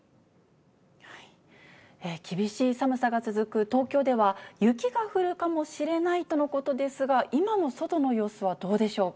厳しい寒さが続く東京では、雪が降るかもしれないとのことですが、今の外の様子はどうでしょうか。